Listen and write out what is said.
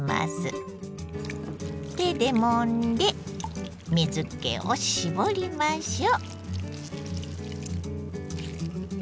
手でもんで水けを絞りましょう。